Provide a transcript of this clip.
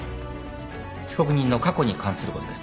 被告人の過去に関することです。